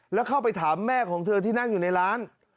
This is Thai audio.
แล้วเข้าไปถามแม่ของเธอที่นั่งอยู่ในร้าน